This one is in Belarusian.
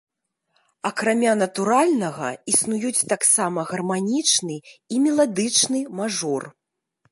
Акрамя натуральнага, існуюць таксама гарманічны і меладычны мажор.